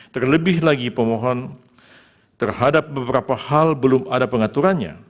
terlebih lagi pemohon terhadap beberapa hal belum ada pengaturannya